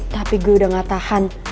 tapi gue udah gak tahan